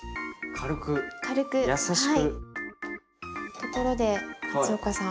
ところで松岡さん。